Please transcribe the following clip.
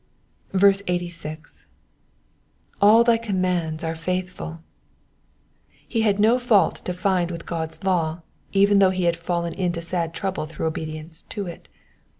86. *' 4W thy commandments are faithfuV* He had no fault to find with God's law, even though he had fallen into sad trouble through obedience to it.